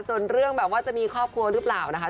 ส่วนเรื่องแบบว่าจะมีครอบครัวหรือเปล่านะคะ